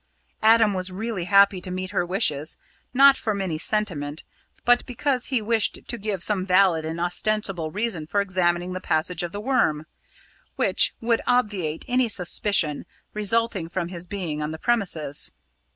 Adam was really happy to meet her wishes, not from any sentiment, but because he wished to give some valid and ostensible reason for examining the passage of the Worm, which would obviate any suspicion resulting from his being on the premises.